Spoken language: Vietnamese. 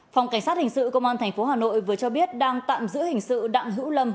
phòng cảnh sát hình sự công an tp hà nội vừa cho biết đang tạm giữ hình sự đặng hữu lâm